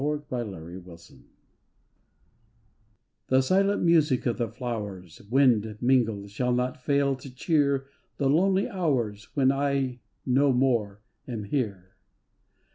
2ig IN THE SHADOWS The silent music of the flowers Wind mingled shall not fail to cheer The lonely hours When I no more am here.